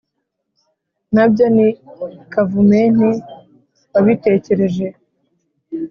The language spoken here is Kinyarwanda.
Nabyo ni Kavumenti wabitekereje